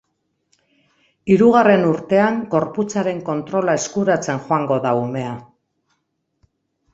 Hirugarren urtean gorputzaren kontrola eskuratzen joango da umea.